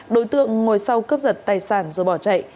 đối tượng ngồi sau cướp giật tài sản rồi bỏ chạy